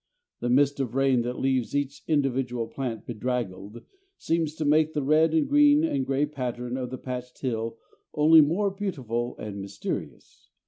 The mist of rain that leaves each individual plant bedraggled seems to make the red and green and grey pattern of the patched hill only more beautiful and mysterious.